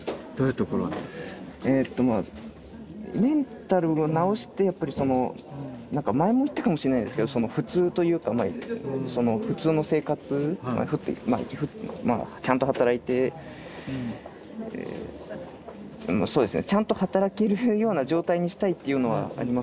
えっとまあメンタルを治してやっぱりそのなんか前も言ったかもしれないんですけど普通というか普通の生活まあちゃんと働いてそうですねちゃんと働けるような状態にしたいっていうのはありますけど。